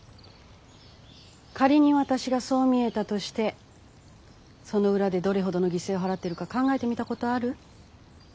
仮に私がそう見えたとしてその裏でどれほどの犠牲を払ってるか考えてみたことある？